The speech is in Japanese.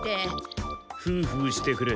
フーフーしてくれ。